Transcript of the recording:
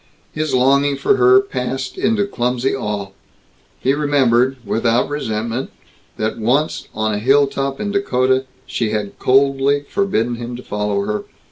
His longing for her passed into clumsy awe. He remembered, without resentment, that once on a hilltop in Dakota she had coldly forbidden him to follow her.